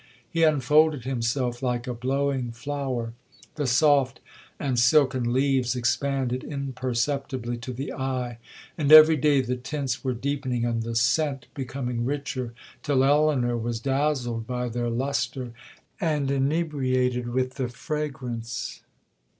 He unfolded himself like a blowing flower,—the soft and silken leaves expanded imperceptibly to the eye, and every day the tints were deepening, and the scent becoming richer, till Elinor was dazzled by their lustre, and inebriated with the fragrance.